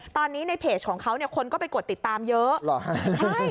ตอนนี้ในเพจของเขาเนี่ยคนก็ไปกดติดตามเยอะ